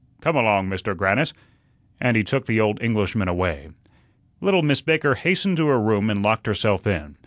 Come along, Mister Grannis," and he took the old Englishman away. Little Miss Baker hastened to her room and locked herself in.